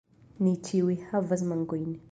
Ni ĉiuj havas mankojn.